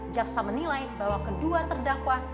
jaksa menilai bahwa kedua terdakwa